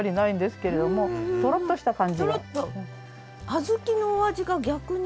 小豆のお味が逆に。